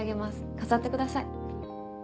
飾ってください。